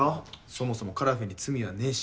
そもそもカラフェに罪はねぇし。